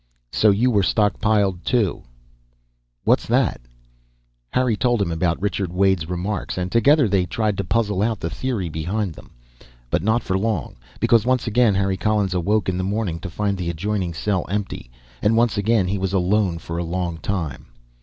"So you were stockpiled too." "What's that?" Harry told him about Richard Wade's remarks, and together they tried to puzzle out the theory behind them. But not for long. Because once again Harry Collins awoke in the morning to find the adjoining cell empty, and once again he was alone for a long time.